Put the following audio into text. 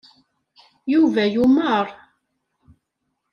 Yuba yumar.